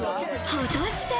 果たして？